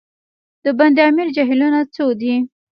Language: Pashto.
د بند امیر جهیلونه څو دي؟